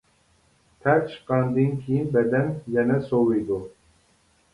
تەر چىققاندىن كېيىن بەدەن يەنە سوۋۇيدۇ.